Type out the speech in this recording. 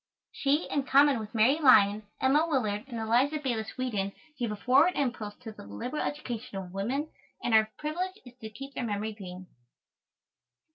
She, in common with Mary Lyon, Emma Willard, and Eliza Bayliss Wheaton, gave a forward impulse to the liberal education of women, and our privilege is to keep their memory green.